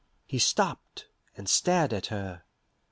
He stopped, and stared at her.